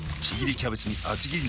キャベツに厚切り肉。